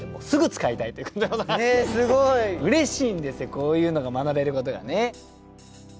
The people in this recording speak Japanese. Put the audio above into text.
こういうのが学べることがね。